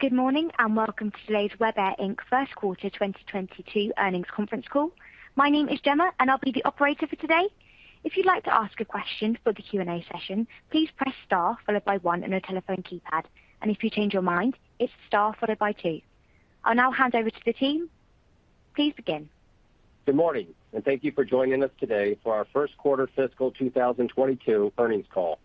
Good morning, and welcome to today's Weber Inc. first quarter 2022 earnings conference call. My name is Gemma and I'll be the operator for today. If you'd like to ask a question for the Q&A session, please press star followed by one on your telephone keypad. If you change your mind, it's star followed by two. I'll now hand over to the team. Please begin. Good morning, and thank you for joining us today for our first quarter fiscal 2022 earnings call.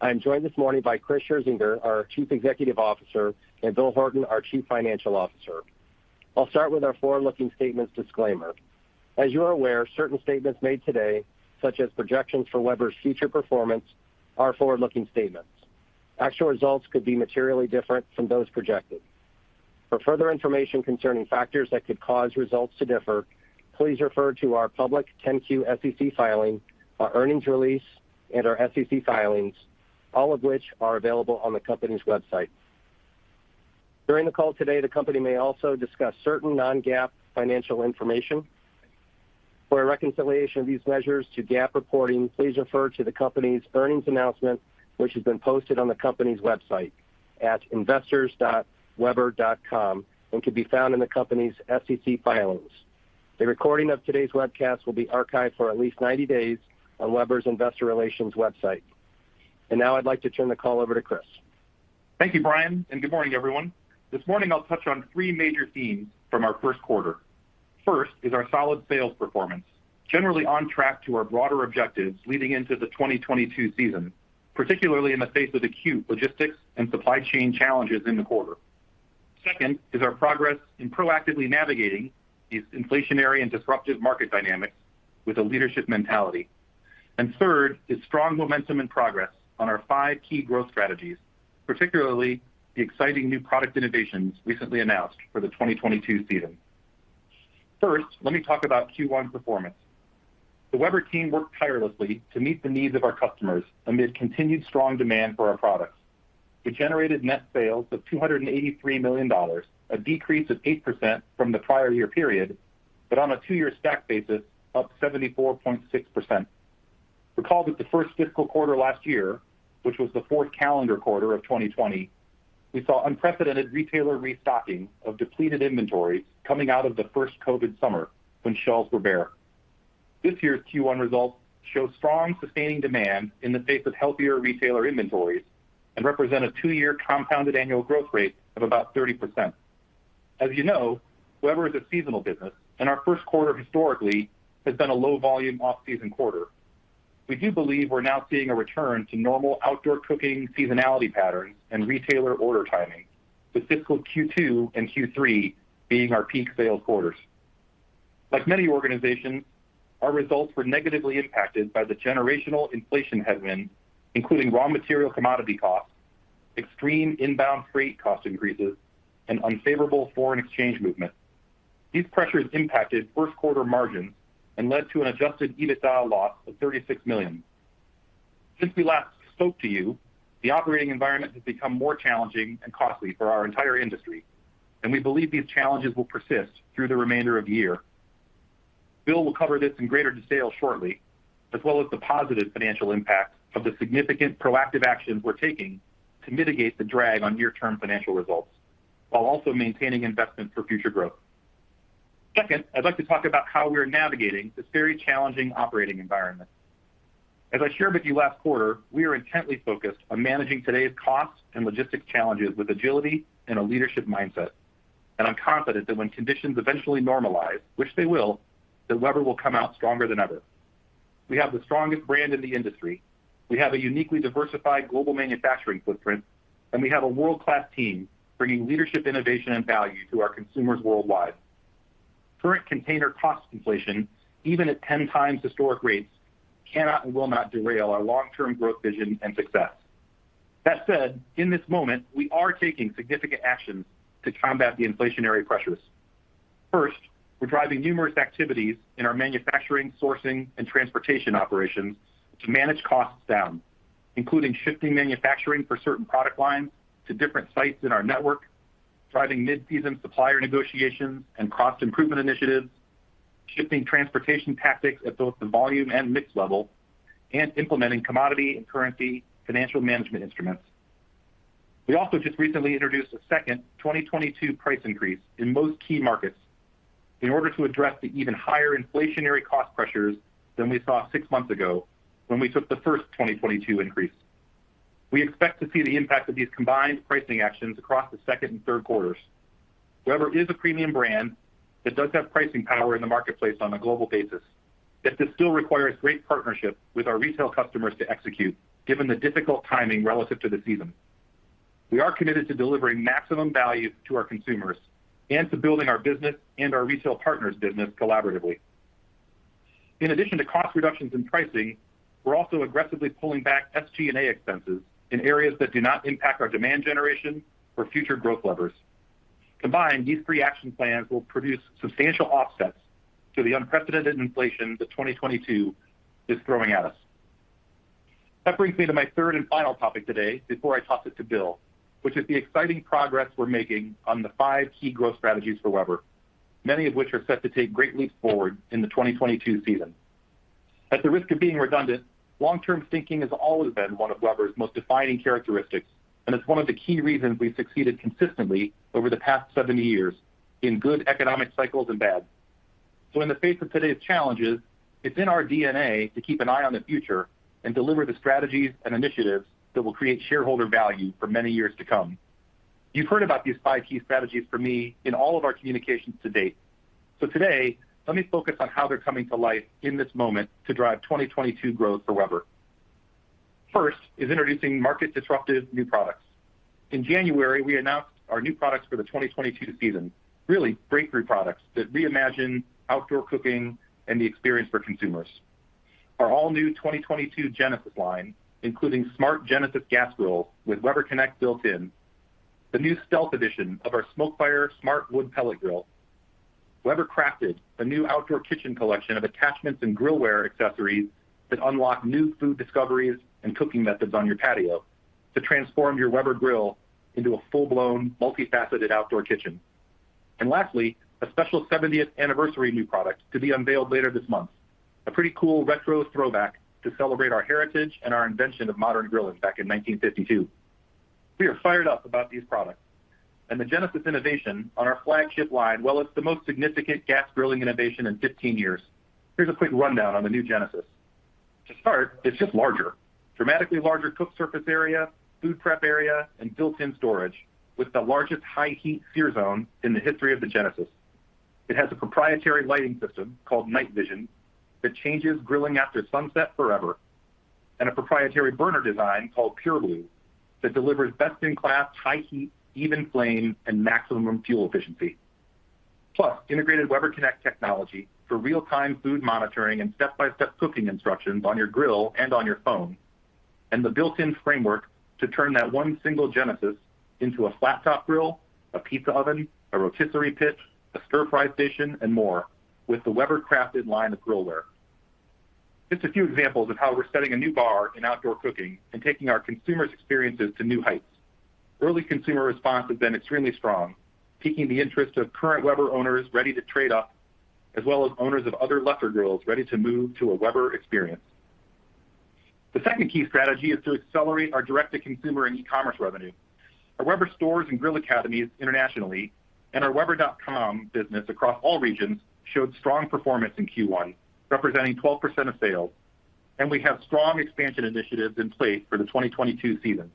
I am joined this morning by Chris Scherzinger, our Chief Executive Officer, and Bill Horton, our Chief Financial Officer. I'll start with our forward-looking statements disclaimer. As you are aware, certain statements made today, such as projections for Weber's future performance, are forward-looking statements. Actual results could be materially different from those projected. For further information concerning factors that could cause results to differ, please refer to our public 10-Q SEC filing, our earnings release, and our SEC filings, all of which are available on the company's website. During the call today, the company may also discuss certain non-GAAP financial information. For a reconciliation of these measures to GAAP reporting, please refer to the company's earnings announcement, which has been posted on the company's website at investors.weber.com and can be found in the company's SEC filings. A recording of today's webcast will be archived for at least 90 days on Weber's investor relations website. Now I'd like to turn the call over to Chris. Thank you, Brian, and good morning, everyone. This morning I'll touch on three major themes from our first quarter. First is our solid sales performance, generally on track to our broader objectives leading into the 2022 season, particularly in the face of acute logistics and supply chain challenges in the quarter. Second is our progress in proactively navigating these inflationary and disruptive market dynamics with a leadership mentality. Third is strong momentum and progress on our five key growth strategies, particularly the exciting new product innovations recently announced for the 2022 season. First, let me talk about Q1 performance. The Weber team worked tirelessly to meet the needs of our customers amid continued strong demand for our products. We generated net sales of $283 million, a decrease of 8% from the prior year period, but on a two-year stack basis, up 74.6%. Recall that the first fiscal quarter last year, which was the fourth calendar quarter of 2020, we saw unprecedented retailer restocking of depleted inventory coming out of the first COVID summer when shelves were bare. This year's Q1 results show strong sustaining demand in the face of healthier retailer inventories and represent a two-year compounded annual growth rate of about 30%. As you know, Weber is a seasonal business, and our first quarter historically has been a low volume off-season quarter. We do believe we're now seeing a return to normal outdoor cooking seasonality patterns and retailer order timing, with fiscal Q2 and Q3 being our peak sales quarters. Like many organizations, our results were negatively impacted by the generational inflation headwind, including raw material commodity costs, extreme inbound freight cost increases, and unfavorable foreign exchange movements. These pressures impacted first quarter margins and led to an adjusted EBITDA loss of $36 million. Since we last spoke to you, the operating environment has become more challenging and costly for our entire industry, and we believe these challenges will persist through the remainder of the year. Bill will cover this in greater detail shortly, as well as the positive financial impact of the significant proactive actions we're taking to mitigate the drag on near-term financial results while also maintaining investment for future growth. Second, I'd like to talk about how we are navigating this very challenging operating environment. As I shared with you last quarter, we are intently focused on managing today's costs and logistics challenges with agility and a leadership mindset. I'm confident that when conditions eventually normalize, which they will, that Weber will come out stronger than ever. We have the strongest brand in the industry. We have a uniquely diversified global manufacturing footprint, and we have a world-class team bringing leadership, innovation, and value to our consumers worldwide. Current container cost inflation, even at 10 times historic rates, cannot and will not derail our long-term growth vision and success. That said, in this moment, we are taking significant actions to combat the inflationary pressures. First, we're driving numerous activities in our manufacturing, sourcing, and transportation operations to manage costs down, including shifting manufacturing for certain product lines to different sites in our network, driving mid-season supplier negotiations and cost improvement initiatives, shifting transportation tactics at both the volume and mix level, and implementing commodity and currency financial management instruments. We also just recently introduced a second 2022 price increase in most key markets in order to address the even higher inflationary cost pressures than we saw six months ago when we took the first 2022 increase. We expect to see the impact of these combined pricing actions across the second and third quarters. Weber is a premium brand that does have pricing power in the marketplace on a global basis. Yet this still requires great partnership with our retail customers to execute, given the difficult timing relative to the season. We are committed to delivering maximum value to our consumers and to building our business and our retail partners' business collaboratively. In addition to cost reductions in pricing, we're also aggressively pulling back SG&A expenses in areas that do not impact our demand generation or future growth levers. Combined, these three action plans will produce substantial offsets to the unprecedented inflation that 2022 is throwing at us. That brings me to my third and final topic today before I toss it to Bill, which is the exciting progress we're making on the five key growth strategies for Weber, many of which are set to take great leaps forward in the 2022 season. At the risk of being redundant, long-term thinking has always been one of Weber's most defining characteristics, and it's one of the key reasons we've succeeded consistently over the past 70 years in good economic cycles and bad. In the face of today's challenges, it's in our DNA to keep an eye on the future and deliver the strategies and initiatives that will create shareholder value for many years to come. You've heard about these five key strategies from me in all of our communications to date. Today, let me focus on how they're coming to life in this moment to drive 2022 growth for Weber. First is introducing market-disruptive new products. In January, we announced our new products for the 2022 season, really breakthrough products that reimagine outdoor cooking and the experience for consumers. Our all-new 2022 Genesis line, including smart Genesis gas grill with Weber Connect built in, the new Stealth edition of our SmokeFire smart wood pellet grill, Weber Crafted, a new outdoor kitchen collection of attachments and grill ware accessories that unlock new food discoveries and cooking methods on your patio to transform your Weber grill into a full-blown multifaceted outdoor kitchen. Lastly, a special seventieth anniversary new product to be unveiled later this month. A pretty cool retro throwback to celebrate our heritage and our invention of modern grilling back in 1952. We are fired up about these products. The Genesis innovation on our flagship line, well, it's the most significant gas grilling innovation in 15 years. Here's a quick rundown on the new Genesis. To start, it's just larger. Dramatically larger cook surface area, food prep area, and built-in storage with the largest high heat sear zone in the history of the Genesis. It has a proprietary lighting system called Night Vision that changes grilling after sunset forever, and a proprietary burner design called PureBlu that delivers best-in-class high heat, even flame, and maximum fuel efficiency. Plus, integrated Weber Connect technology for real-time food monitoring and step-by-step cooking instructions on your grill and on your phone. The built-in framework to turn that one single Genesis into a flat top grill, a pizza oven, a rotisserie pit, a stir fry station, and more, with the Weber Crafted line of grillware. Just a few examples of how we're setting a new bar in outdoor cooking and taking our consumers' experiences to new heights. Early consumer response has been extremely strong, piquing the interest of current Weber owners ready to trade up, as well as owners of other lesser grills ready to move to a Weber experience. The second key strategy is to accelerate our direct-to-consumer and e-commerce revenue. Our Weber stores and grill academies internationally and our weber.com business across all regions showed strong performance in Q1, representing 12% of sales. We have strong expansion initiatives in place for the 2022 season.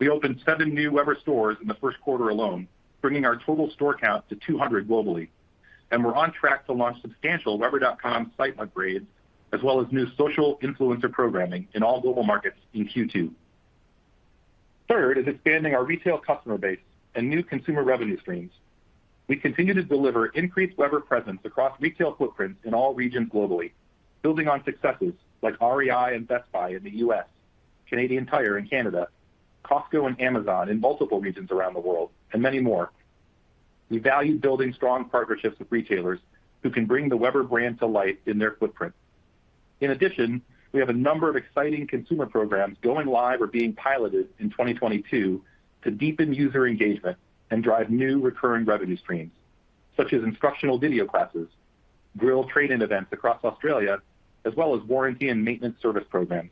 We opened 7 new Weber stores in the first quarter alone, bringing our total store count to 200 globally. We're on track to launch substantial weber.com site upgrades, as well as new social influencer programming in all global markets in Q2. Third is expanding our retail customer base and new consumer revenue streams. We continue to deliver increased Weber presence across retail footprints in all regions globally, building on successes like REI and Best Buy in the U.S., Canadian Tire in Canada, Costco and Amazon in multiple regions around the world, and many more. We value building strong partnerships with retailers who can bring the Weber brand to life in their footprint. In addition, we have a number of exciting consumer programs going live or being piloted in 2022 to deepen user engagement and drive new recurring revenue streams, such as instructional video classes, grill trade-in events across Australia, as well as warranty and maintenance service programs.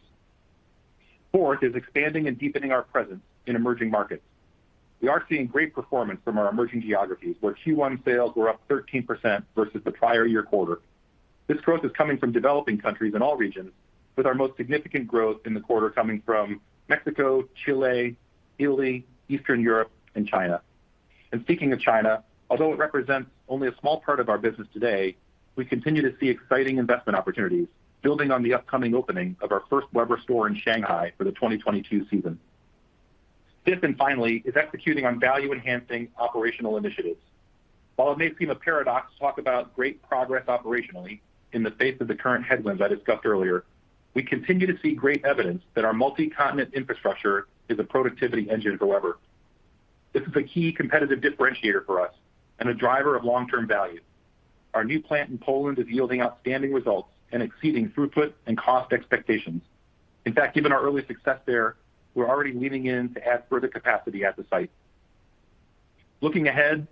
Fourth is expanding and deepening our presence in emerging markets. We are seeing great performance from our emerging geographies, where Q1 sales were up 13% versus the prior year quarter. This growth is coming from developing countries in all regions, with our most significant growth in the quarter coming from Mexico, Chile, Italy, Eastern Europe, and China. Speaking of China, although it represents only a small part of our business today, we continue to see exciting investment opportunities building on the upcoming opening of our first Weber store in Shanghai for the 2022 season. Fifth, and finally, is executing on value-enhancing operational initiatives. While it may seem a paradox to talk about great progress operationally in the face of the current headwinds I discussed earlier, we continue to see great evidence that our multi-continent infrastructure is a productivity engine for Weber. This is a key competitive differentiator for us and a driver of long-term value. Our new plant in Poland is yielding outstanding results and exceeding throughput and cost expectations. In fact, given our early success there, we're already leaning in to add further capacity at the site. Looking ahead,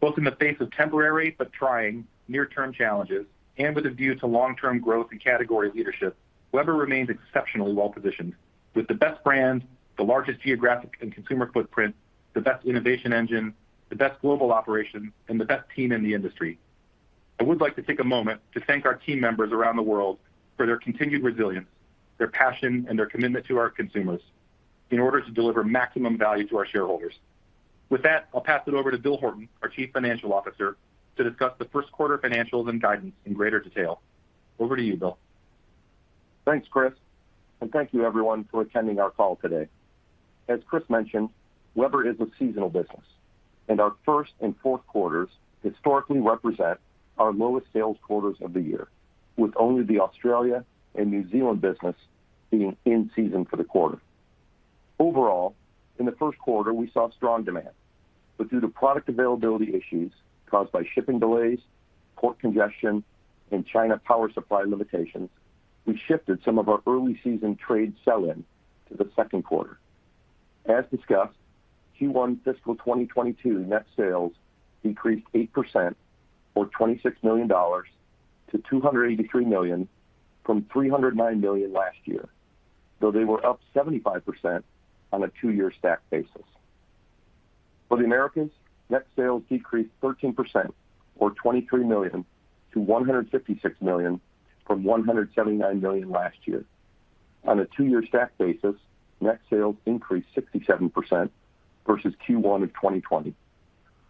both in the face of temporary but trying near-term challenges and with a view to long-term growth and category leadership, Weber remains exceptionally well positioned with the best brand, the largest geographic and consumer footprint, the best innovation engine, the best global operation, and the best team in the industry. I would like to take a moment to thank our team members around the world for their continued resilience, their passion, and their commitment to our consumers in order to deliver maximum value to our shareholders. With that, I'll pass it over to Bill Horton, our Chief Financial Officer, to discuss the first quarter financials and guidance in greater detail. Over to you, Bill. Thanks, Chris, and thank you everyone for attending our call today. As Chris mentioned, Weber is a seasonal business, and our first and fourth quarters historically represent our lowest sales quarters of the year, with only the Australia and New Zealand business being in season for the quarter. Overall, in the first quarter, we saw strong demand, but due to product availability issues caused by shipping delays, port congestion, and China power supply limitations, we shifted some of our early season trade sell-in to the second quarter. As discussed, Q1 fiscal 2022 net sales decreased 8% or $26 million to $283 million from $309 million last year, though they were up 75% on a two-year stack basis. For the Americas, net sales decreased 13% or $23 million to $156 million from $179 million last year. On a two-year stack basis, net sales increased 67% versus Q1 of 2020.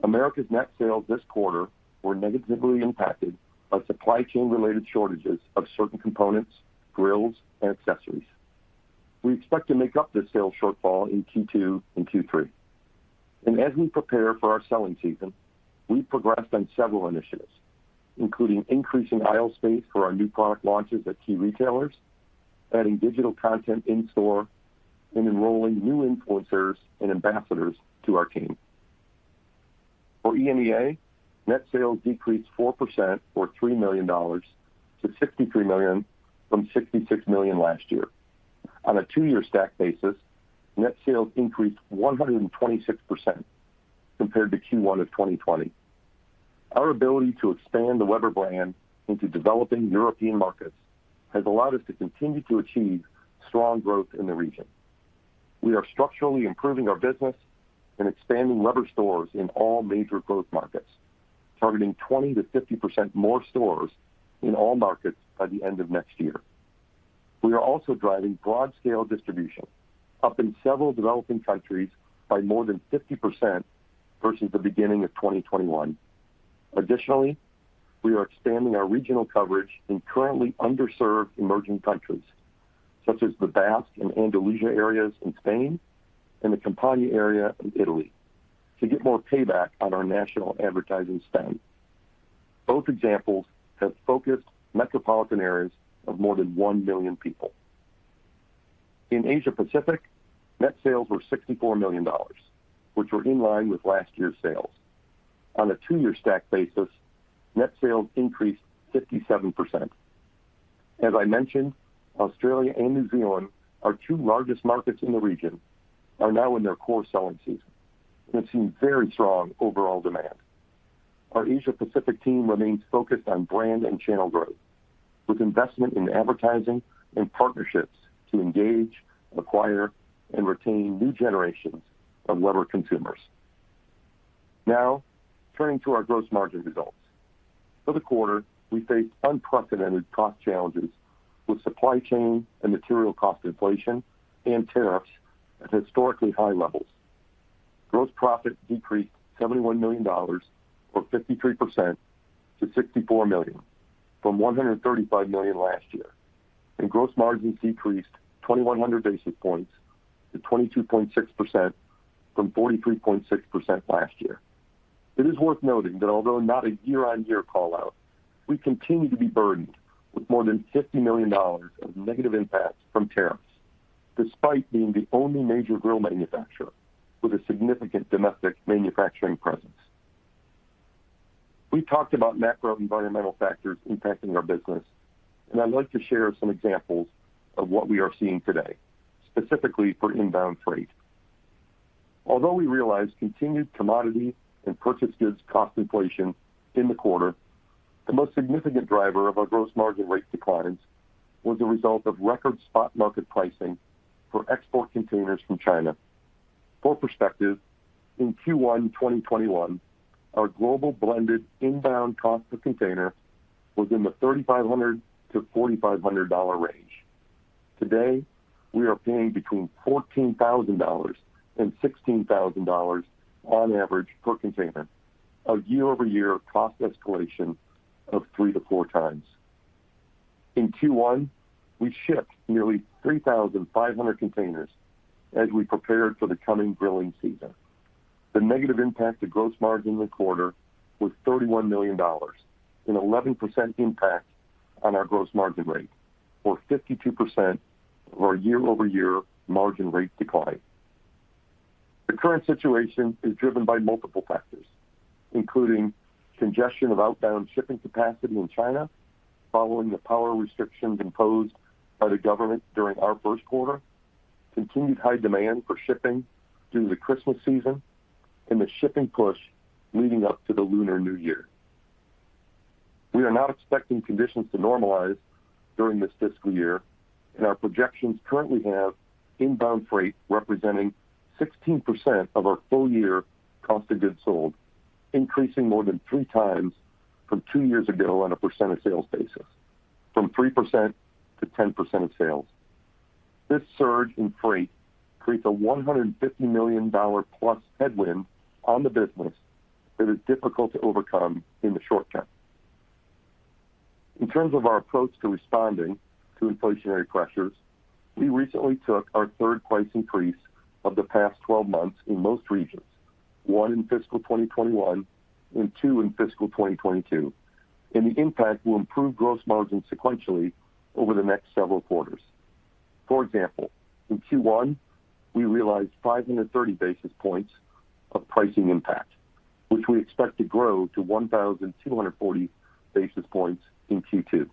America's net sales this quarter were negatively impacted by supply chain related shortages of certain components, grills, and accessories. We expect to make up this sales shortfall in Q2 and Q3. As we prepare for our selling season, we progressed on several initiatives, including increasing aisle space for our new product launches at key retailers, adding digital content in store, and enrolling new influencers and ambassadors to our team. For EMEA, net sales decreased 4% or $3 million to $63 million from $66 million last year. On a two-year stack basis, net sales increased 126% compared to Q1 of 2020. Our ability to expand the Weber brand into developing European markets has allowed us to continue to achieve strong growth in the region. We are structurally improving our business and expanding Weber Stores in all major growth markets, targeting 20%-50% more stores in all markets by the end of next year. We are also driving broad-scale distribution up in several developing countries by more than 50% versus the beginning of 2021. Additionally, we are expanding our regional coverage in currently underserved emerging countries, such as the Basque and Andalusia areas in Spain and the Campania area in Italy to get more payback on our national advertising spend. Both examples have focused metropolitan areas of more than one million people. In Asia Pacific, net sales were $64 million, which were in line with last year's sales. On a two-year stack basis, net sales increased 57%. As I mentioned, Australia and New Zealand, our two largest markets in the region, are now in their core selling season and have seen very strong overall demand. Our Asia Pacific team remains focused on brand and channel growth with investment in advertising and partnerships to engage, acquire, and retain new generations of Weber consumers. Now, turning to our gross margin results. For the quarter, we faced unprecedented cost challenges with supply chain and material cost inflation and tariffs at historically high levels. Gross profit decreased $71 million or 53% to $64 million from $135 million last year, and gross margins decreased 2,100 basis points to 22.6% from 43.6% last year. It is worth noting that although not a year-on-year call-out, we continue to be burdened with more than $50 million of negative impact from tariffs, despite being the only major grill manufacturer with a significant domestic manufacturing presence. We talked about macro environmental factors impacting our business, and I'd like to share some examples of what we are seeing today, specifically for inbound freight. Although we realized continued commodity and purchased goods cost inflation in the quarter, the most significant driver of our gross margin rate declines was a result of record spot market pricing for export containers from China. For perspective, in Q1 2021, our global blended inbound cost of container was in the $3,500-$4,500 range. Today, we are paying between $14,000 and $16,000 on average per container, a year-over-year cost escalation of three to four times. In Q1, we shipped nearly 3,500 containers as we prepared for the coming grilling season. The negative impact to gross margin in the quarter was $31 million, an 11% impact on our gross margin rate, or 52% of our year-over-year margin rate decline. The current situation is driven by multiple factors, including congestion of outbound shipping capacity in China following the power restrictions imposed by the government during our first quarter, continued high demand for shipping due to the Christmas season, and the shipping push leading up to the Lunar New Year. We are not expecting conditions to normalize during this fiscal year, and our projections currently have inbound freight representing 16% of our full year cost of goods sold, increasing more than three times from two years ago on a percent of sales basis, from 3% to 10% of sales. This surge in freight creates a $150 million plus headwind on the business that is difficult to overcome in the short term. In terms of our approach to responding to inflationary pressures, we recently took our third price increase of the past 12 months in most regions, one in fiscal 2021 and two in fiscal 2022, and the impact will improve gross margin sequentially over the next several quarters. For example, in Q1, we realized 530 basis points of pricing impact, which we expect to grow to 1,240 basis points in Q2.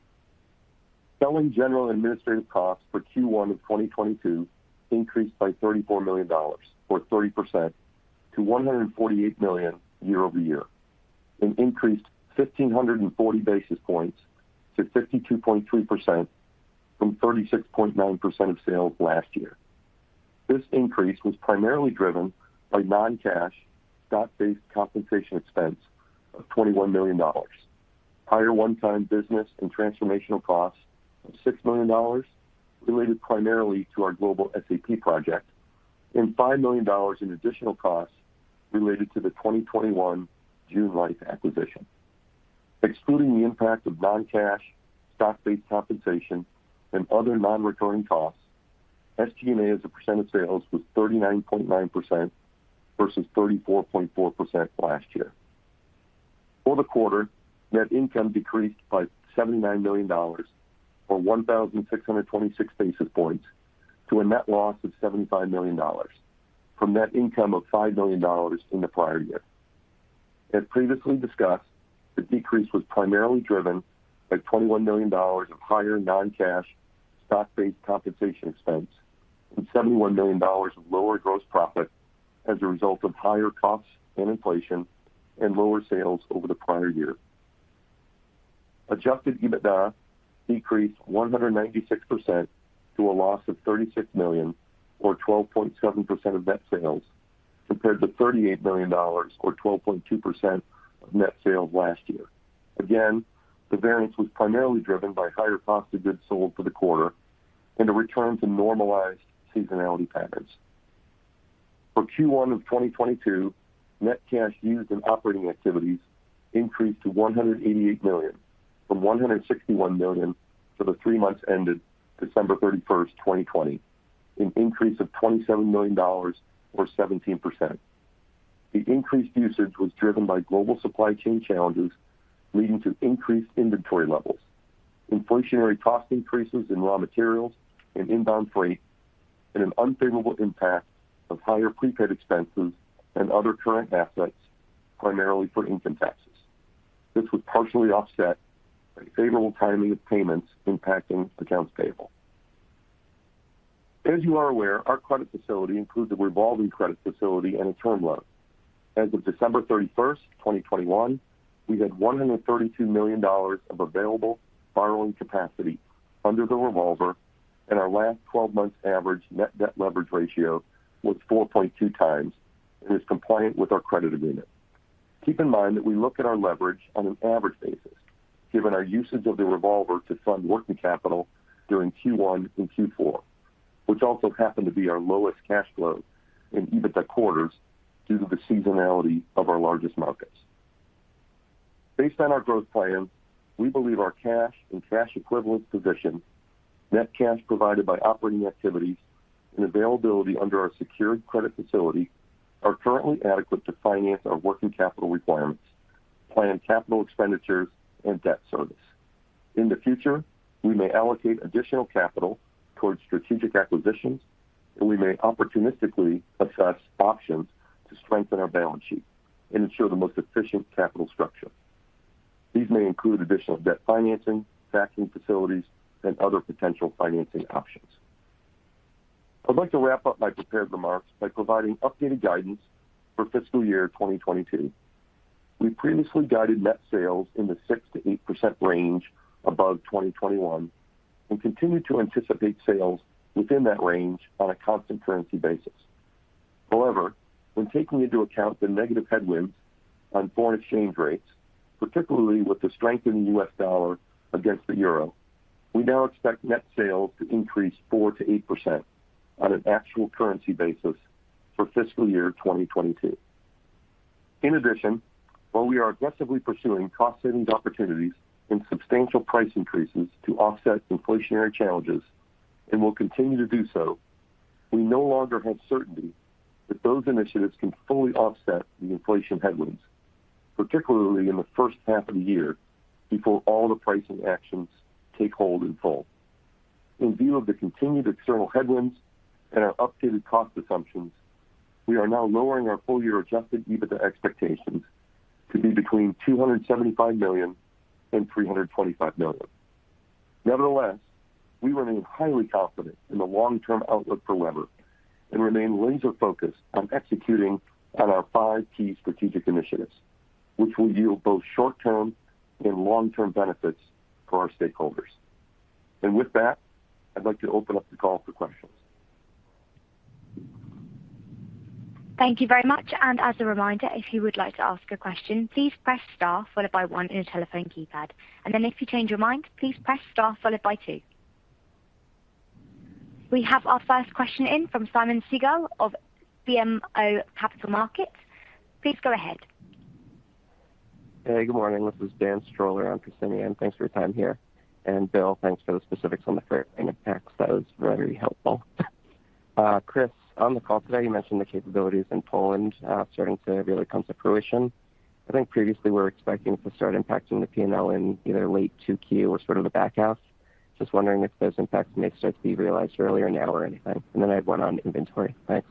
Selling, general, and administrative costs for Q1 of 2022 increased by $34 million or 30% to $148 million year-over-year and increased 1,540 basis points to 52.3% from 36.9% of sales last year. This increase was primarily driven by non-cash stock-based compensation expense of $21 million, higher one-time business and transformational costs of $6 million related primarily to our global SAP project, and $5 million in additional costs related to the 2021 June Life acquisition. Excluding the impact of non-cash stock-based compensation and other non-recurring costs, SG&A as a percent of sales was 39.9% versus 34.4% last year. For the quarter, net income decreased by $79 million or 1,626 basis points to a net loss of $75 million from net income of $5 million in the prior year. As previously discussed, the decrease was primarily driven by $21 million of higher non-cash stock-based compensation expense and $71 million of lower gross profit as a result of higher costs and inflation and lower sales over the prior year. Adjusted EBITDA decreased 196% to a loss of $36 million or 12.7% of net sales, compared to $38 million or 12.2% of net sales last year. Again, the variance was primarily driven by higher cost of goods sold for the quarter and a return to normalized seasonality patterns. For Q1 2022, net cash used in operating activities increased to $188 million from $161 million for the three months ended December 31, 2020, an increase of $27 million or 17%. The increased usage was driven by global supply chain challenges leading to increased inventory levels, inflationary cost increases in raw materials and inbound freight, and an unfavorable impact of higher prepaid expenses and other current assets, primarily for income taxes. This was partially offset by favorable timing of payments impacting accounts payable. As you are aware, our credit facility includes a revolving credit facility and a term loan. As of December 31st, 2021, we had $132 million of available borrowing capacity under the revolver, and our last twelve months average net debt leverage ratio was 4.2x and is compliant with our credit agreement. Keep in mind that we look at our leverage on an average basis, given our usage of the revolver to fund working capital during Q1 and Q4, which also happen to be our lowest cash flow in EBITDA quarters due to the seasonality of our largest markets. Based on our growth plan, we believe our cash and cash equivalent position, net cash provided by operating activities, and availability under our secured credit facility are currently adequate to finance our working capital requirements, planned capital expenditures, and debt service. In the future, we may allocate additional capital towards strategic acquisitions, and we may opportunistically assess options to strengthen our balance sheet and ensure the most efficient capital structure. These may include additional debt financing, factoring facilities, and other potential financing options. I'd like to wrap up my prepared remarks by providing updated guidance for fiscal year 2022. We previously guided net sales in the 6%-8% range above 2021 and continue to anticipate sales within that range on a constant currency basis. However, when taking into account the negative headwinds on foreign exchange rates, particularly with the strengthening U.S. dollar against the euro, we now expect net sales to increase 4%-8% on an actual currency basis for fiscal year 2022. In addition, while we are aggressively pursuing cost savings opportunities and substantial price increases to offset inflationary challenges, and will continue to do so, we no longer have certainty that those initiatives can fully offset the inflation headwinds, particularly in the first half of the year before all the pricing actions take hold in full. In view of the continued external headwinds and our updated cost assumptions, we are now lowering our full year adjusted EBITDA expectations to be between $275 million and $325 million. Nevertheless, we remain highly confident in the long-term outlook for Weber and remain laser-focused on executing on our five key strategic initiatives, which will yield both short-term and long-term benefits for our stakeholders. With that, I'd like to open up the call for questions. Thank you very much. As a reminder, if you would like to ask a question, please press star followed by one on your telephone keypad. If you change your mind, please press star followed by two. We have our first question in from Simeon Siegel of BMO Capital Markets. Please go ahead. Hey, good morning. This is Dan Stroller on for Simeon. Thanks for your time here. Bill, thanks for the specifics on the freight and impacts. That was very helpful. Chris, on the call today, you mentioned the capabilities in Poland starting to really come to fruition. I think previously we're expecting to start impacting the P&L in either late 2Q or sort of the back half. Just wondering if those impacts may start to be realized earlier now or anything. I have one on inventory. Thanks.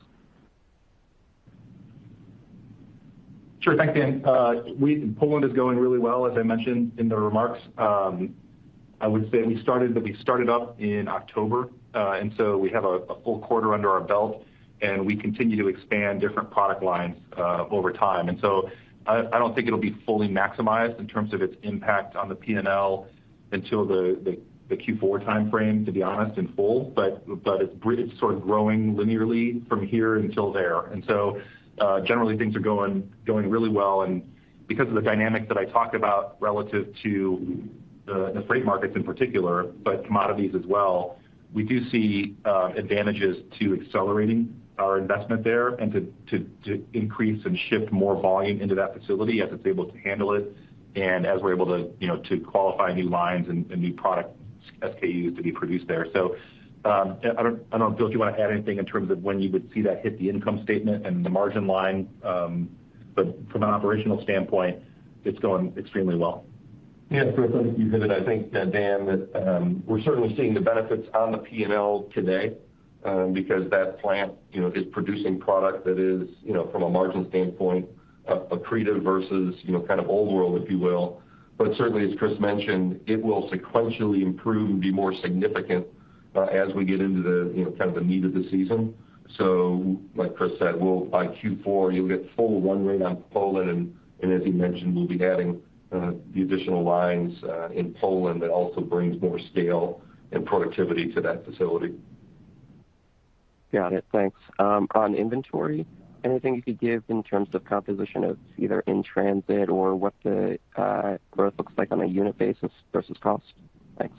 Sure. Thanks, Dan. Poland is going really well, as I mentioned in the remarks. I would say we started up in October. We have a full quarter under our belt, and we continue to expand different product lines over time. I don't think it'll be fully maximized in terms of its impact on the P&L until the Q4 timeframe, to be honest, in full. It's sort of growing linearly from here until there. Generally things are going really well, because of the dynamics that I talked about relative to the freight markets in particular, but commodities as well, we do see advantages to accelerating our investment there and to increase and shift more volume into that facility as it's able to handle it and as we're able to, you know, to qualify new lines and new product SKUs to be produced there. Yeah, I don't know, Bill, do you want to add anything in terms of when you would see that hit the income statement and the margin line? From an operational standpoint, it's going extremely well. Yeah. Chris, I think, Dan, that we're certainly seeing the benefits on the P&L today, because that plant, you know, is producing product that is, you know, from a margin standpoint versus, you know, kind of old world, if you will. Certainly, as Chris mentioned, it will sequentially improve and be more significant, as we get into, you know, kind of the meat of the season. Like Chris said, we'll by Q4, you'll get full run rate on Poland, and as he mentioned, we'll be adding the additional lines in Poland that also brings more scale and productivity to that facility. Got it. Thanks. On inventory, anything you could give in terms of composition of either in transit or what the growth looks like on a unit basis versus cost? Thanks.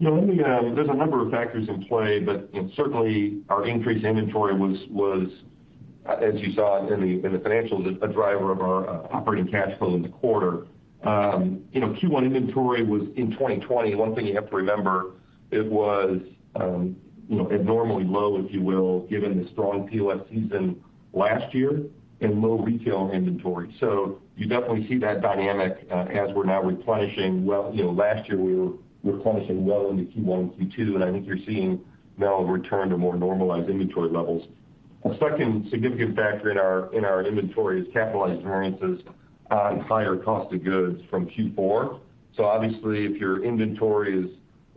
You know, there's a number of factors in play, but, you know, certainly our increased inventory was, as you saw in the financials, a driver of our operating cash flow in the quarter. You know, Q1 inventory was in 2020. One thing you have to remember, it was abnormally low, if you will, given the strong POS season last year and low retail inventory. So you definitely see that dynamic, as we're now replenishing well. You know, last year we were replenishing well into Q1 and Q2, and I think you're seeing now a return to more normalized inventory levels. A second significant factor in our inventory is capitalized variances on higher cost of goods from Q4. Obviously, if your inventory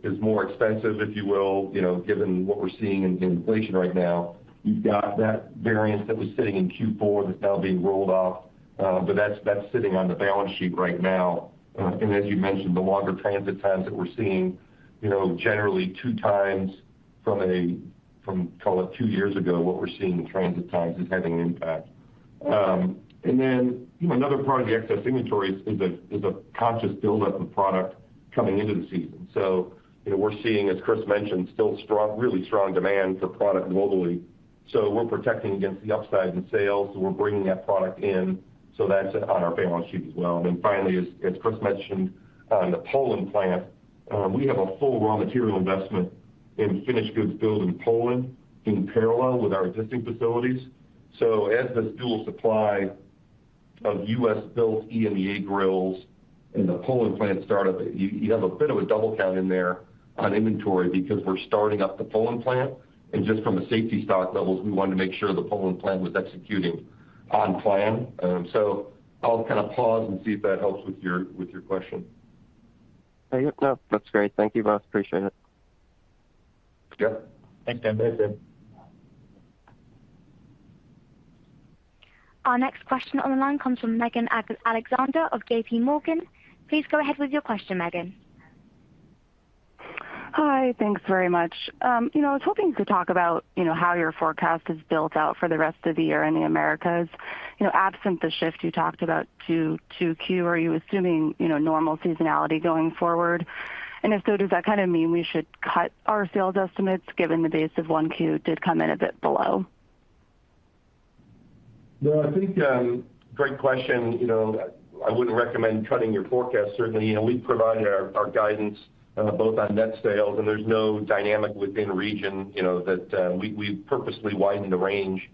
is more expensive, if you will, you know, given what we're seeing in inflation right now, you've got that variance that was sitting in Q4 that's now being rolled off. That's sitting on the balance sheet right now. As you mentioned, the longer transit times that we're seeing, you know, generally two times from, call it two years ago, what we're seeing in transit times is having an impact. Then, you know, another part of the excess inventory is a conscious buildup of product coming into the season. You know, we're seeing, as Chris mentioned, still strong, really strong demand for product globally. We're protecting against the upside in sales, so we're bringing that product in. That's on our balance sheet as well. Finally, as Chris mentioned, on the Poland plant, we have a full raw material investment in finished goods build in Poland in parallel with our existing facilities. As this dual supply of U.S. built EMEA grills and the Poland plant start up, you have a bit of a double count in there on inventory because we're starting up the Poland plant. Just from a safety stock levels, we wanted to make sure the Poland plant was executing on plan. I'll kind of pause and see if that helps with your question. Yeah, yep, no. Looks great. Thank you both. Appreciate it. Sure. Thanks, Dan. Thanks, Dan. Our next question on the line comes from Megan Alexander of JPMorgan. Please go ahead with your question, Megan. Hi. Thanks very much. You know, I was hoping to talk about, you know, how your forecast is built out for the rest of the year in the Americas. You know, absent the shift you talked about to 2Q, are you assuming, you know, normal seasonality going forward? If so, does that kind of mean we should cut our sales estimates given the base of 1Q did come in a bit below? No, I think great question. You know, I wouldn't recommend cutting your forecast. Certainly, you know, we've provided our guidance both on net sales, and there's no dynamic within region, you know, that we've purposely widened the range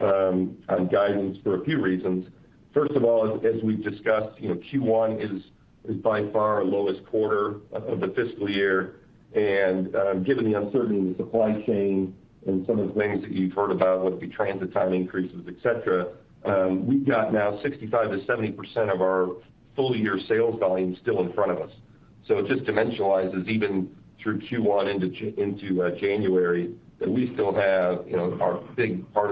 on guidance for a few reasons. First of all, as we've discussed, you know, Q1 is by far our lowest quarter of the fiscal year. Given the uncertainty in the supply chain and some of the things that you've heard about with the transit time increases, et cetera, we've got now 65%-70% of our full year sales volume still in front of us. It just dimensionalizes even through Q1 into January that we still have, you know, our biggest part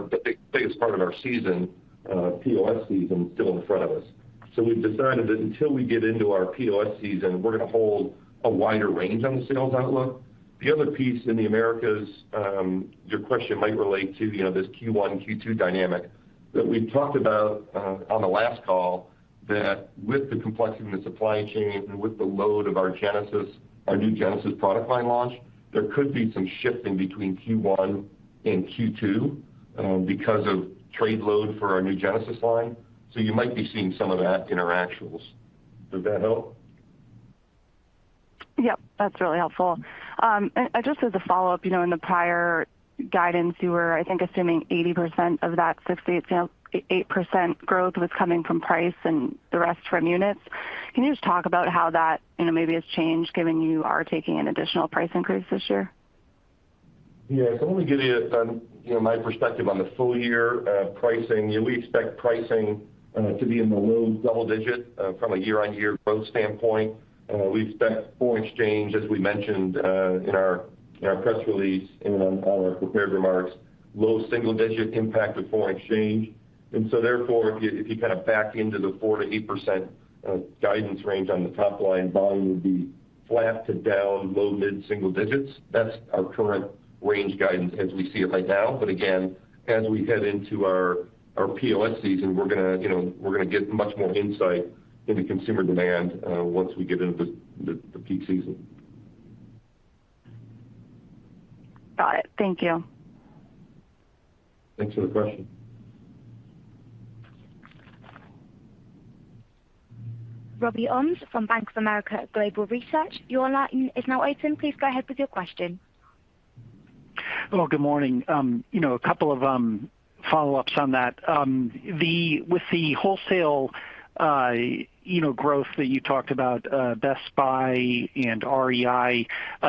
of our season, POS season still in front of us. We've decided that until we get into our POS season, we're gonna hold a wider range on the sales outlook. The other piece in the Americas, your question might relate to, you know, this Q1, Q2 dynamic that we talked about on the last call, that with the complexity in the supply chain and with the load of our Genesis, our new Genesis product line launch, there could be some shifting between Q1 and Q2 because of trade load for our new Genesis line. You might be seeing some of that interactions. Does that help? Yep, that's really helpful. Just as a follow-up, you know, in the prior guidance, you were, I think, assuming 80% of that [inaudible] 8% growth was coming from price and the rest from units. Can you just talk about how that, you know, maybe has changed given you are taking an additional price increase this year? Yeah. Let me give you know, my perspective on the full year, pricing. Yeah, we expect pricing to be in the low double-digit from a year-on-year growth standpoint. We expect foreign exchange, as we mentioned, in our press release and on all our prepared remarks, low single-digit impact of foreign exchange. Therefore, if you kind of back into the 4%-8% guidance range on the top line, volume would be flat to down low mid-single digits. That's our current range guidance as we see it right now. But again, as we head into our POS season, we're gonna, you know, get much more insight into consumer demand once we get into the peak season. Got it. Thank you. Thanks for the question. Robbie Ohmes from Bank of America Global Research, your line is now open. Please go ahead with your question. Well, good morning. You know, a couple of follow-ups on that. With the wholesale, you know, growth that you talked about, Best Buy and REI,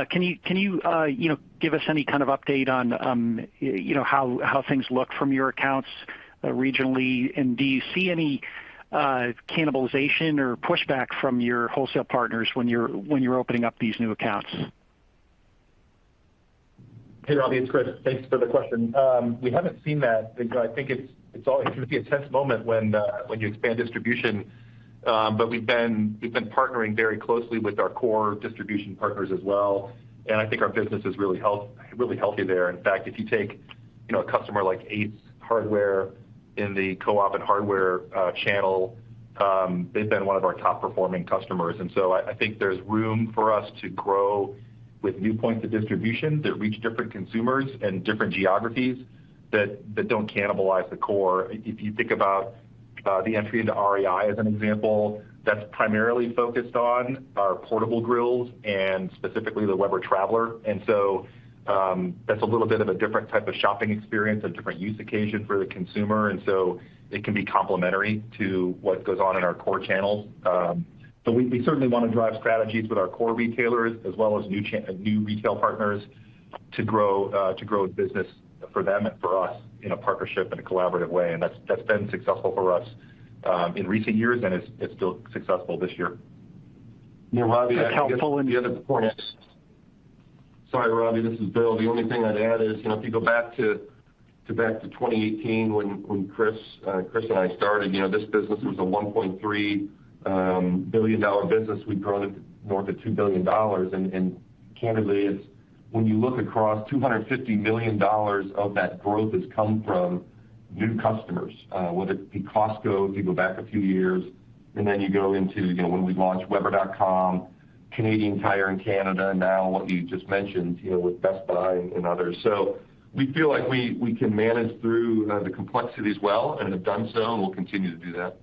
can you know, give us any kind of update on, you know, how things look from your accounts, regionally? Do you see any cannibalization or pushback from your wholesale partners when you're opening up these new accounts? Hey, Robbie, it's Chris. Thanks for the question. We haven't seen that. I think it's all. It can be a tense moment when you expand distribution. We've been partnering very closely with our core distribution partners as well, and I think our business is really healthy there. In fact, if you take, you know, a customer like Ace Hardware in the co-op and hardware channel, they've been one of our top performing customers. I think there's room for us to grow with new points of distribution that reach different consumers and different geographies that don't cannibalize the core. If you think about the entry into REI, as an example, that's primarily focused on our portable grills and specifically the Weber Traveler. That's a little bit of a different type of shopping experience, a different use occasion for the consumer, and so it can be complementary to what goes on in our core channels. We certainly wanna drive strategies with our core retailers as well as new retail partners to grow the business for them and for us in a partnership, in a collaborative way. That's been successful for us in recent years, and it's still successful this year. Yeah, Robbie, I think the other. That's helpful. The other point is. Sorry, Robbie, this is Bill. The only thing I'd add is, you know, if you go back to back to 2018 when Chris and I started, you know, this business was a $1.3 billion business. We've grown it more to $2 billion. Candidly, it's, when you look across $250 million of that growth has come from new customers, whether it be Costco, if you go back a few years, and then you go into, you know, when we launched weber.com, Canadian Tire in Canada, now what you just mentioned, you know, with Best Buy and others. We feel like we can manage through the complexities well and have done so, and we'll continue to do that.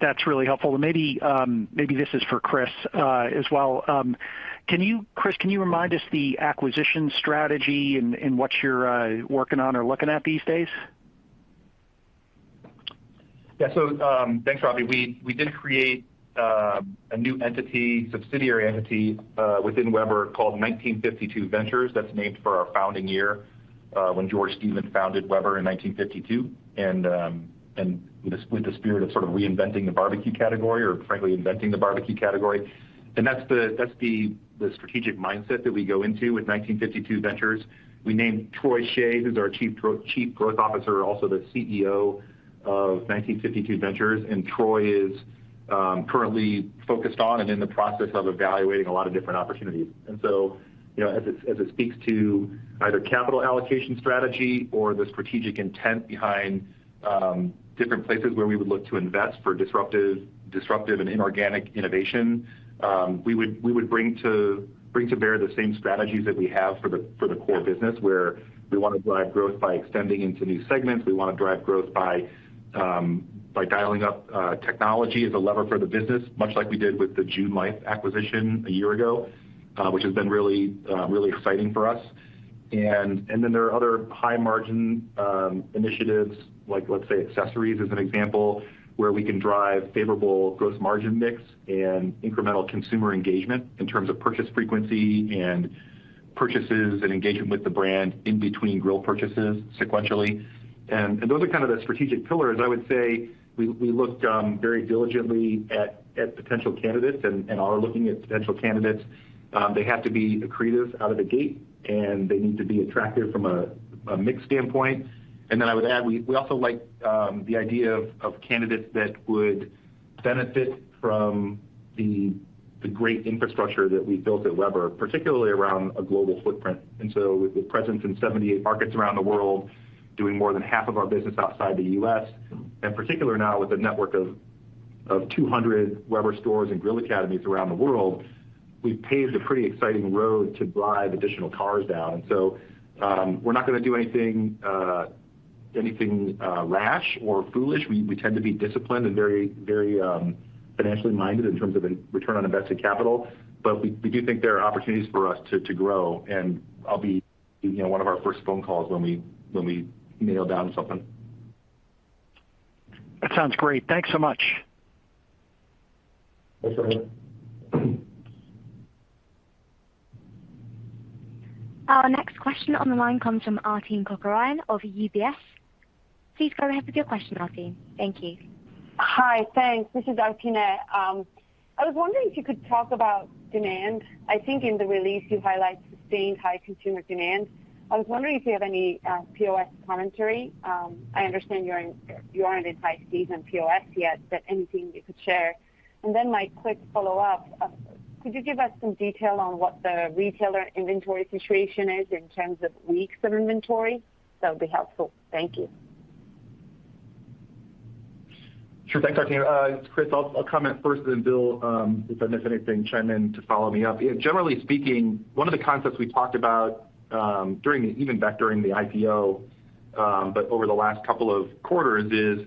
That's really helpful. Maybe this is for Chris as well. Can you, Chris, remind us of the acquisition strategy and what you're working on or looking at these days? Thanks, Robbie. We did create a new entity, subsidiary entity, within Weber called 1952 Ventures. That's named for our founding year, when George Stephen founded Weber in 1952, and with the spirit of sort of reinventing the barbecue category or frankly inventing the barbecue category. That's the strategic mindset that we go into with 1952 Ventures. We named Troy Shay, who's our chief growth officer, also the CEO of 1952 Ventures, and Troy is currently focused on and in the process of evaluating a lot of different opportunities. You know, as it speaks to either capital allocation strategy or the strategic intent behind different places where we would look to invest for disruptive and inorganic innovation, we would bring to bear the same strategies that we have for the core business, where we wanna drive growth by extending into new segments. We wanna drive growth by dialing up technology as a lever for the business, much like we did with the June Life acquisition a year ago, which has been really exciting for us. Then there are other high margin initiatives like, let's say, accessories as an example, where we can drive favorable gross margin mix and incremental consumer engagement in terms of purchase frequency and purchases and engagement with the brand in between grill purchases sequentially. Those are kind of the strategic pillars. I would say we look very diligently at potential candidates and are looking at potential candidates. They have to be accretive out of the gate, and they need to be attractive from a mix standpoint. I would add, we also like the idea of candidates that would benefit from the great infrastructure that we built at Weber, particularly around a global footprint. With the presence in 78 markets around the world, doing more than half of our business outside the U.S., and particularly now with a network of 200 Weber Stores and Grill Academies around the world, we've paved a pretty exciting road to drive additional cars down. We're not gonna do anything rash or foolish. We tend to be disciplined and very financially minded in terms of return on invested capital, but we do think there are opportunities for us to grow, and I'll be, you know, one of our first phone calls when we nail down something. That sounds great. Thanks so much. Thanks, Robbie. Our next question on the line comes from Arpine Kocharian of UBS. Please go ahead with your question, Arpine. Thank you. Hi. Thanks. This is Arpine. I was wondering if you could talk about demand. I think in the release you highlight sustained high consumer demand. I was wondering if you have any POS commentary. I understand you aren't in high season POS yet, but anything you could share. Then, my quick follow-up, could you give us some detail on what the retailer inventory situation is in terms of weeks of inventory? That would be helpful. Thank you. Sure. Thanks, Arpine. It's Chris. I'll comment first, then Bill, if there's anything, chime in to follow me up. Yeah, generally speaking, one of the concepts we talked about during, even back during the IPO, but over the last couple of quarters, is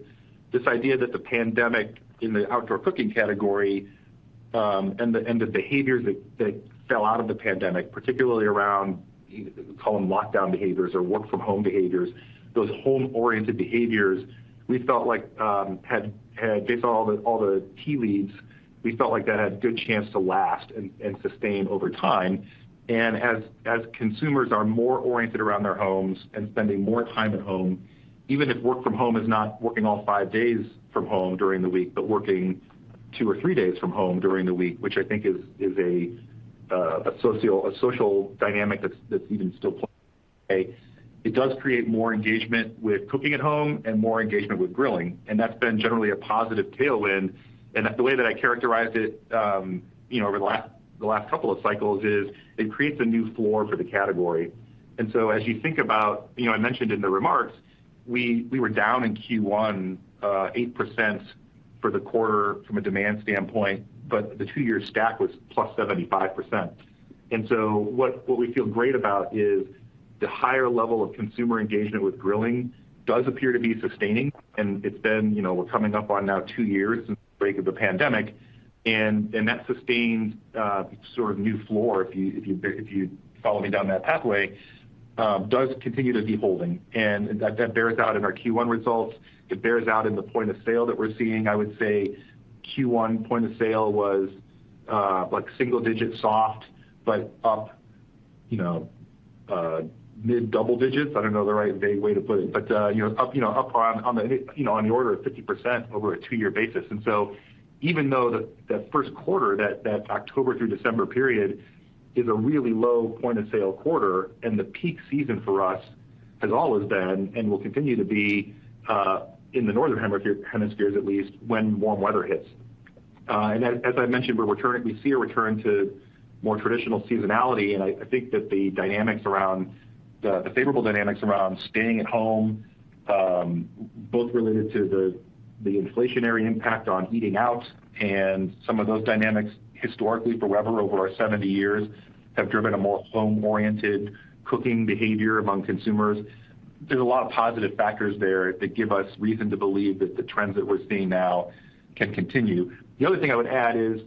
this idea that the pandemic in the outdoor cooking category and the behaviors that fell out of the pandemic, particularly around we call them lockdown behaviors or work from home behaviors. Those home-oriented behaviors, we felt like had based on all the tea leaves, we felt like that had good chance to last and sustain over time. As consumers are more oriented around their homes and spending more time at home, even if work from home is not working all five days from home during the week, but working two or three days from home during the week, which I think is a social dynamic that's even still playing today, it does create more engagement with cooking at home and more engagement with grilling, and that's been generally a positive tailwind. The way that I characterized it, you know, over the last couple of cycles is it creates a new floor for the category. As you think about, you know, I mentioned in the remarks we were down in Q1 8% for the quarter from a demand standpoint, but the two-year stack was plus 75%. What we feel great about is the higher level of consumer engagement with grilling does appear to be sustaining. It's been, you know, we're coming up on now two years since the break of the pandemic, and that sustained sort of new floor, if you follow me down that pathway, does continue to be holding, and that bears out in our Q1 results. It bears out in the point of sale that we're seeing. I would say Q1 point of sale was like single-digit soft, but up, you know, mid-double-digits. I don't know the right vague way to put it, but, you know, up, you know, up on the order of 50% over a two-year basis. Even though that first quarter, that October through December period is a really low point of sale quarter and the peak season for us has always been and will continue to be in the Northern Hemisphere at least when warm weather hits. As I mentioned, we see a return to more traditional seasonality. I think that the favorable dynamics around staying at home, both related to the inflationary impact on eating out and some of those dynamics historically for Weber over our seventy years, have driven a more home-oriented cooking behavior among consumers. There's a lot of positive factors there that give us reason to believe that the trends that we're seeing now can continue. The other thing I would add is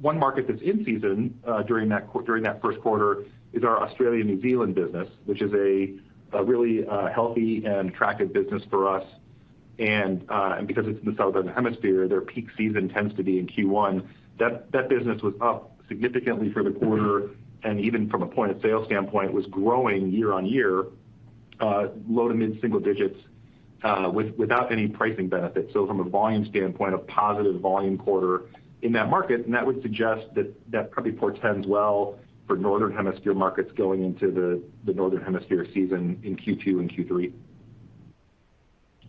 one market that's in season during that first quarter is our Australia/New Zealand business, which is a really healthy and attractive business for us. Because it's in the Southern Hemisphere, their peak season tends to be in Q1. That business was up significantly for the quarter, and even from a point of sale standpoint, was growing year-over-year low to mid single digits without any pricing benefit. From a volume standpoint, a positive volume quarter in that market, and that would suggest that probably portends well for Northern Hemisphere markets going into the Northern Hemisphere season in Q2 and Q3.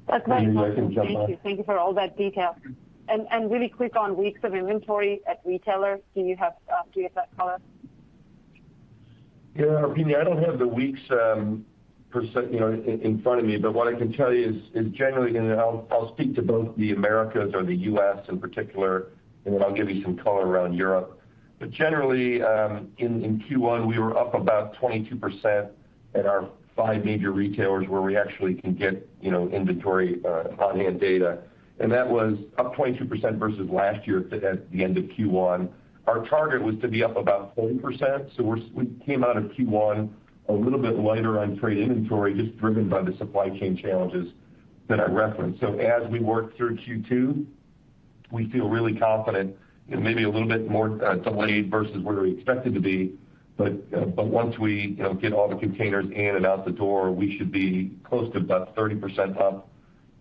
That's very helpful. Thank you. Thank you for all that detail. Really quick on weeks of inventory at retailers. Do you have that color? Yeah, Arpine, I don't have the weeks per se, you know, in front of me, but what I can tell you is generally, and I'll speak to both the Americas or the U.S. In particular, and then I'll give you some color around Europe. Generally, in Q1, we were up about 22% at our five major retailers where we actually can get, you know, inventory on-hand data. That was up 22% versus last year at the end of Q1. Our target was to be up about 40%, we came out of Q1 a little bit lighter on trade inventory, just driven by the supply chain challenges that I referenced. As we work through Q2, we feel really confident, you know, maybe a little bit more delayed versus where we expected to be. Once we, you know, get all the containers in and out the door, we should be close to about 30% up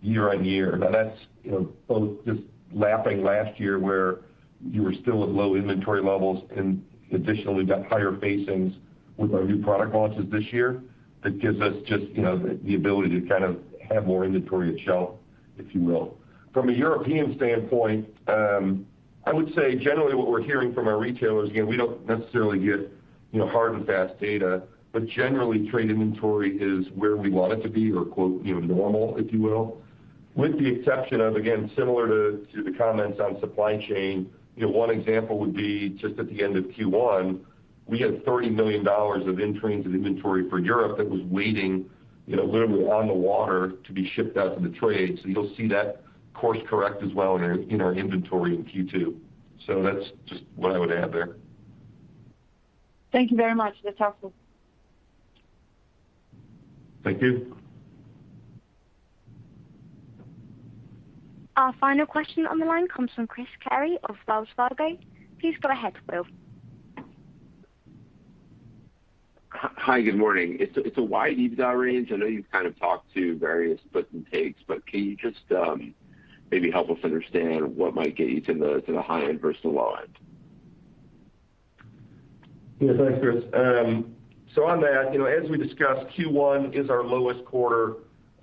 year-on-year. Now that's, you know, both just lapping last year where you were still at low inventory levels and additionally got higher facings with our new product launches this year. That gives us just, you know, the ability to kind of have more inventory at shelf, if you will. From a European standpoint, I would say generally what we're hearing from our retailers, again, we don't necessarily get, you know, hard and fast data, but generally trade inventory is where we want it to be or quote, you know, normal, if you will, with the exception of, again, similar to the comments on supply chain. You know, one example would be just at the end of Q1, we had $30 million of in-transit inventory for Europe that was waiting, you know, literally on the water to be shipped out to the trade. You'll see that course correct as well in our inventory in Q2. That's just what I would add there. Thank you very much. That's helpful. Thank you. Our final question on the line comes from Chris Carey of Wells Fargo. Please go ahead. Hi, good morning. It's a wide EBITDA range. I know you've kind of talked to various puts and takes, but can you just maybe help us understand what might get you to the high end versus the low end? Yeah, thanks, Chris. On that, you know, as we discussed, Q1 is our lowest quarter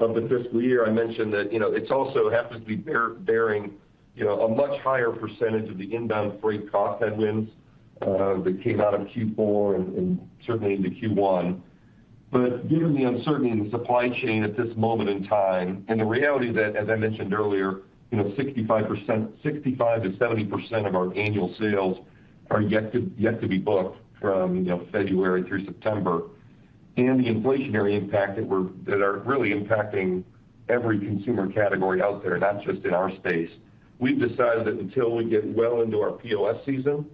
of the fiscal year. I mentioned that, you know, it also happens to be bearing a much higher percentage of the inbound freight cost headwinds that came out of Q4 and certainly into Q1. Given the uncertainty in the supply chain at this moment in time, and the reality that, as I mentioned earlier, you know, 65%-70% of our annual sales are yet to be booked from, you know, February through September, the inflationary impact that are really impacting every consumer category out there, not just in our space. We've decided that until we get well into our POS season,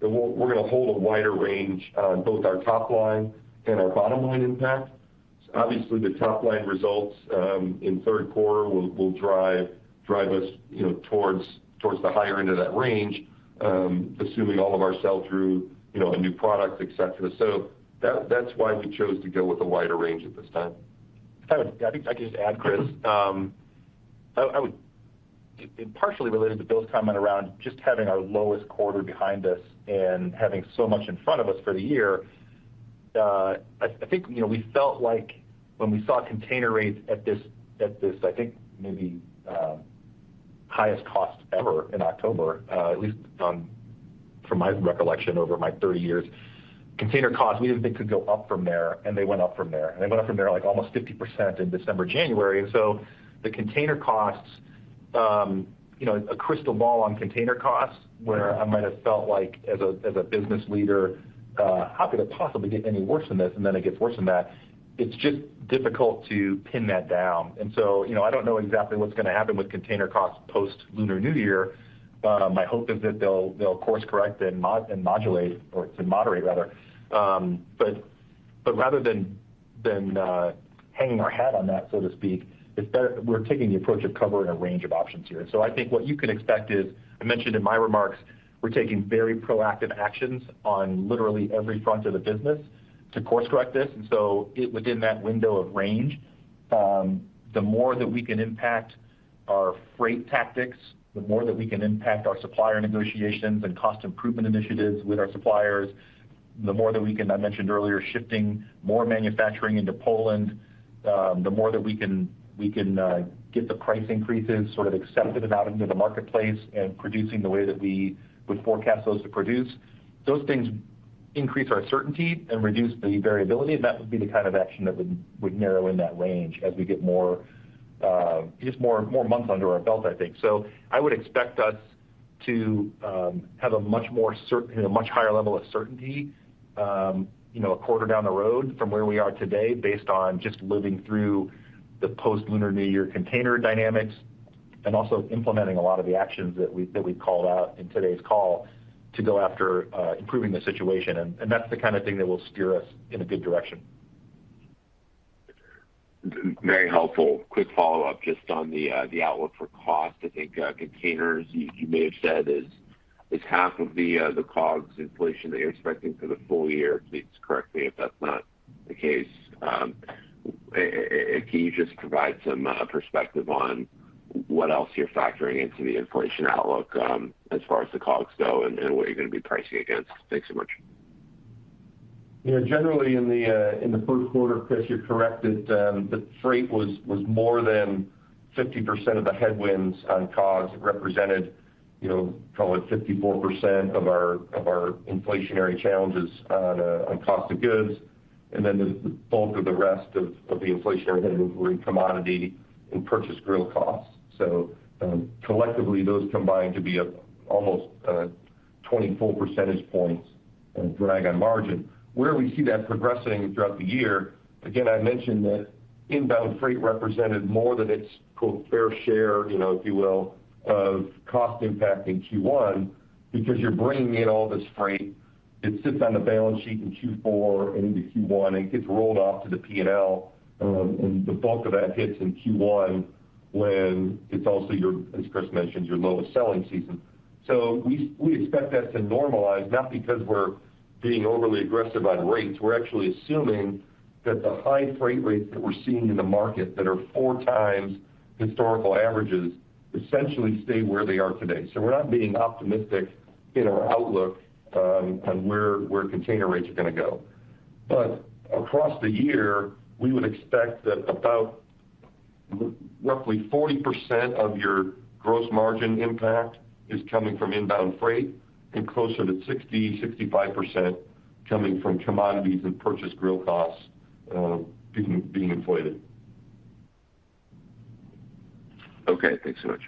that we're gonna hold a wider range on both our top line and our bottom line impact. Obviously, the top line results in third quarter will drive us, you know, towards the higher end of that range, assuming all of our sell-through, you know, and new products, et cetera. That's why we chose to go with a wider range at this time. Yeah, I think I can just add, Chris. Partially related to Bill's comment around just having our lowest quarter behind us and having so much in front of us for the year, I think, you know, we felt like when we saw container rates at this, I think maybe, highest cost ever in October, at least, from my recollection over my 30 years. Container costs, we didn't think could go up from there, and they went up from there like almost 50% in December, January. The container costs, you know, a crystal ball on container costs, where I might have felt like as a business leader, how could it possibly get any worse than this? Then it gets worse than that. It's just difficult to pin that down. You know, I don't know exactly what's gonna happen with container costs post-Lunar New Year. My hope is that they'll course correct and to moderate rather. But rather than hanging our hat on that, so to speak, it's better, we're taking the approach of covering a range of options here. I think what you can expect is, I mentioned in my remarks, we're taking very proactive actions on literally every front of the business to course correct this. It within that window of range, the more that we can impact our freight tactics, the more that we can impact our supplier negotiations and cost improvement initiatives with our suppliers. The more that we can, I mentioned earlier, shifting more manufacturing into Poland, the more that we can get the price increases sort of accepted and out into the marketplace and producing the way that we would forecast those to produce. Those things increase our certainty and reduce the variability, and that would be the kind of action that would narrow in that range as we get more, just more months under our belt, I think. I would expect us to have a much higher level of certainty, you know, a quarter down the road from where we are today, based on just living through the post-Lunar New Year container dynamics. Also implementing a lot of the actions that we called out in today's call to go after improving the situation. That's the kind of thing that will steer us in a good direction. Very helpful. Quick follow-up just on the outlook for cost. I think containers, you may have said is half of the COGS inflation that you're expecting for the full year, please correct me if that's not the case. Can you just provide some perspective on what else you're factoring into the inflation outlook, as far as the COGS go and what you're gonna be pricing against? Thanks so much. Yeah, generally in the first quarter, Chris, you're correct that the freight was more than 50% of the headwinds on COGS. It represented, you know, call it 54% of our inflationary challenges on cost of goods. Then the bulk of the rest of the inflationary headwinds were in commodity and purchased grill costs. Collectively, those combine to be almost 24 percentage points of drag on margin. Where we see that progressing throughout the year, again, I mentioned that inbound freight represented more than its, quote, "fair share," you know, if you will, of cost impact in Q1. Because you're bringing in all this freight, it sits on the balance sheet in Q4 into Q1, and it gets rolled off to the P&L. The bulk of that hits in Q1 when it's also your, as Chris mentioned, your lowest selling season. We expect that to normalize, not because we're being overly aggressive on rates. We're actually assuming that the high freight rates that we're seeing in the market that are 4 times historical averages essentially stay where they are today. We're not being optimistic in our outlook on where container rates are gonna go. Across the year, we would expect that about roughly 40% of your gross margin impact is coming from inbound freight and closer to 65% coming from commodities and purchased grill costs being inflated. Okay. Thanks so much.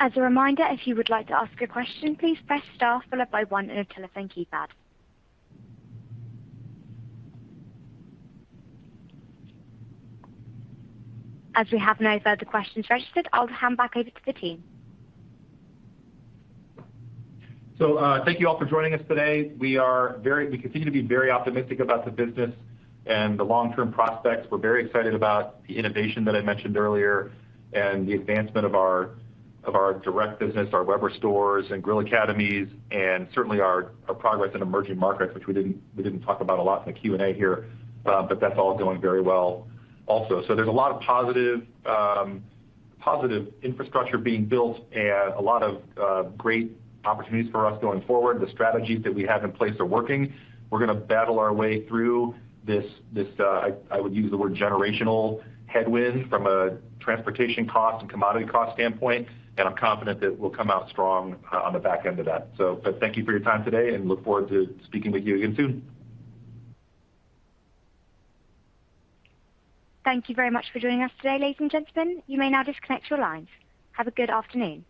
As a reminder, if you would like to ask a question, please press star followed by one on your telephone keypad. As we have no further questions registered, I'll hand back over to the team. Thank you all for joining us today. We continue to be very optimistic about the business and the long-term prospects. We're very excited about the innovation that I mentioned earlier and the advancement of our direct business, our Weber Stores and Grill Academies, and certainly our progress in emerging markets, which we didn't talk about a lot in the Q&A here. That's all going very well, also. There's a lot of positive infrastructure being built and a lot of great opportunities for us going forward. The strategies that we have in place are working. We're gonna battle our way through this, I would use the word generational headwind from a transportation cost and commodity cost standpoint, and I'm confident that we'll come out strong on the back end of that. Thank you for your time today and I look forward to speaking with you again soon. Thank you very much for joining us today, ladies and gentlemen. You may now disconnect your lines. Have a good afternoon.